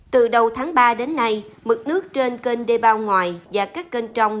từ đầu tháng ba đến nay mực nước trên kênh đê bao ngoài và các kênh trong